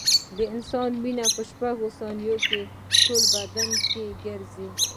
د انسان وینه په شپږو ثانیو کې ټول بدن ګرځي.